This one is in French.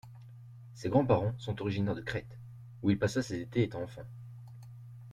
Ses grands-parents sont originaires de Crète, où il passe ses étés étant enfant.